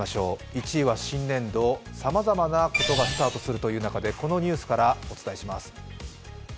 １位は新年度、さまざまなことがスタートするという中で、このニュースからお伝えします。